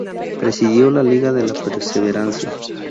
Presidió la Liga de la Perseverancia.